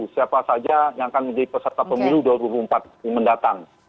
siapa saja yang akan menjadi peserta pemilu dua ribu dua puluh empat yang mendatang